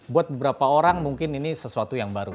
buat beberapa orang mungkin ini sesuatu yang baru